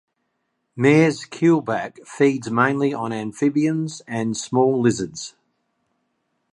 Mair's keelback feeds mainly on amphibians and small lizards.